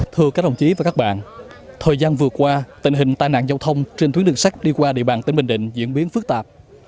thưa các đồng chí và các bạn thời gian vừa qua tình hình tai nạn giao thông trên tuyến đường sắt đi qua địa bàn tỉnh bình định diễn biến phức tạp